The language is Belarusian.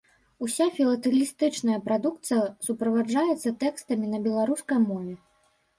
Уся філатэлістычная прадукцыя суправаджаецца тэкстамі на беларускай мове.